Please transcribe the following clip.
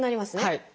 はい。